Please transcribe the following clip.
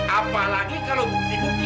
apalagi kalau bukti bukti